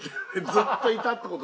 「ずっといたって事？